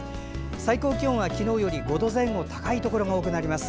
最高気温は昨日より５度前後高いところが多くなります。